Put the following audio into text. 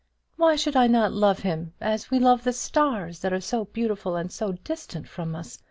Why should I not love him; as we love the stars, that are so beautiful and so distant from us?